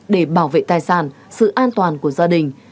để bảo vệ tài sản sự an toàn của gia đình